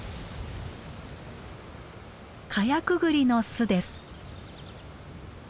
カヤクグリの巣です。